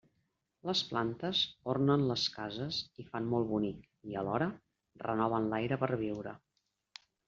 Les plantes ornen les cases i fan molt bonic i, alhora, renoven l'aire per a viure.